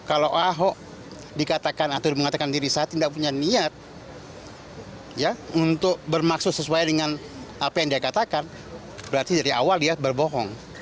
kalau ahok dikatakan atau mengatakan diri saya tidak punya niat untuk bermaksud sesuai dengan apa yang dia katakan berarti dari awal dia berbohong